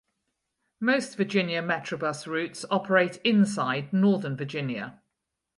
Most Virginia Metrobus routes operate inside Northern Virginia.